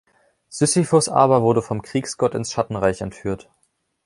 Sisyphos aber wurde vom Kriegsgott ins Schattenreich entführt.